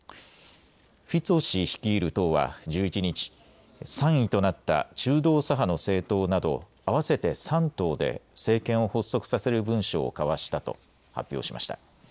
フィツォ氏率いる党は１１日、３位となった中道左派の政党など合わせて３党で政権を発足させる文書を交わしたと発表しました。